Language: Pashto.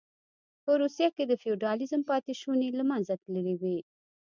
په روسیه کې د فیوډالېزم پاتې شوني له منځه تللې وې